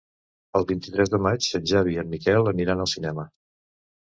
El vint-i-tres de maig en Xavi i en Miquel aniran al cinema.